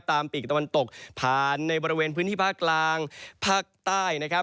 ปีกตะวันตกผ่านในบริเวณพื้นที่ภาคกลางภาคใต้นะครับ